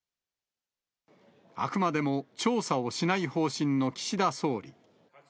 あくまでも調査をしない方針の岸田総理。